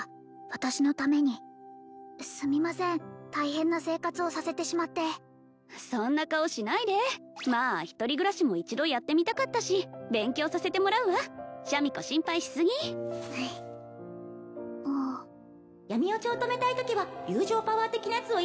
私のためにすみません大変な生活をさせてしまってそんな顔しないでまあ一人暮らしも一度やってみたかったし勉強させてもらうわシャミ子心配しすぎ闇堕ちを止めたいときは友情パワー的なやつを